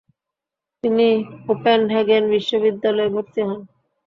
তিনি কোপেনহেগেন বিশ্ববিদ্যালয় এ ভর্তি হন।